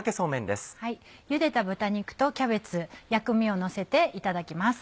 茹でた豚肉とキャベツ薬味をのせていただきます。